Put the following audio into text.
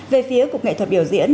về phía cục nghệ thuật biểu diễn